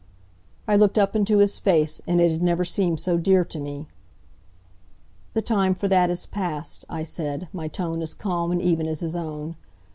I looked up into his face, and it had never seemed so dear to me. "The time for that is past," I said, my tone as calm and even as his own.